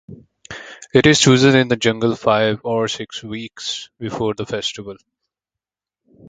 It is chosen in the jungle five or six weeks before the festival.